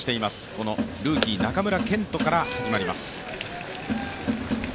このルーキー、中村健人から始まります。